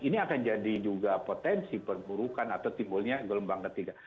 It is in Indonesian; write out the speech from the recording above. ini akan jadi juga potensi perburukan atau timbulnya gelombang ketiga